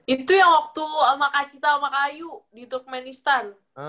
itu yang waktu sama kak cita sama kak ayu di turkmenistan